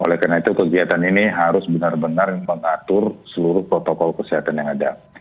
oleh karena itu kegiatan ini harus benar benar mengatur seluruh protokol kesehatan yang ada